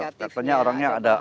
katanya orangnya ada bahaya